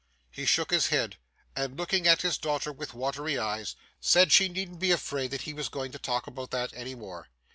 He shook his head, and looking at his daughter with watery eyes, said she needn't be afraid that he was going to talk about that, any more.